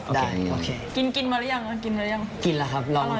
ขอบคุณครับ